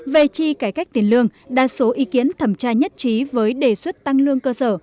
về chi cải cách tiền lương đa số ý kiến thẩm tra nhất trí với đề xuất tăng lương cơ sở